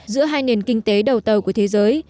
giữa hai nền kinh tế đầu tàu của thế giới